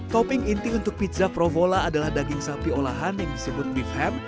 topping inti untuk pizza provola adalah daging sapi olahan yang disebut beef ham